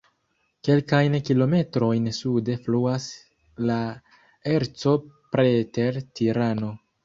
Kelkajn kilometrojn sude fluas la Erco preter Tirano.